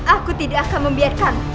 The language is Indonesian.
aku tidak akan membiarkan